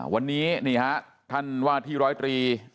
วันนี้นี่ฮะท่านว่าที่ร้อยตรี